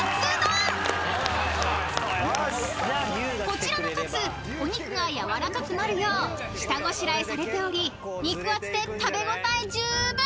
［こちらのカツお肉が軟らかくなるよう下ごしらえされており肉厚で食べ応え十分］